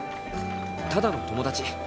ただの友達。